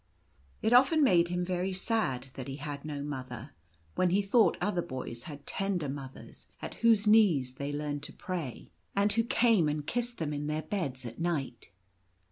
It often made him very sad that he had no mother, when he thought other boys had tender mothers, at whose knees they learned to pray, and who came and 14 Prince Zaphir. kissed them in their beds at night.